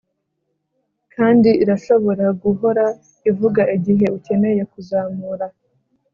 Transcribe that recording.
kandi irashobora guhora ivuga igihe ukeneye kuzamura…